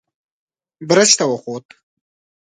برج ته وخوت.